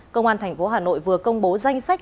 công an thành phố hà nội vừa công bố danh sách